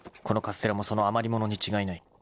［このカステラもその余り物に違いない］